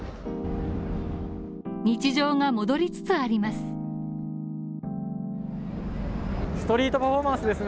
日常が戻りつつあります。